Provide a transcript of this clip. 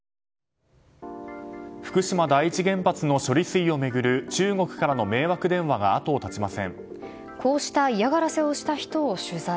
福島第一原発の処理水を巡る中国からの迷惑電話がこうした嫌がらせをした人を取材。